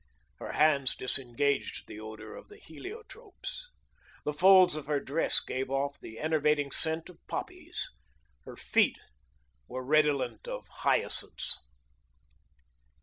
Her hands disengaged the odour of the heliotropes. The folds of her dress gave off the enervating scent of poppies. Her feet were redolent of hyacinths.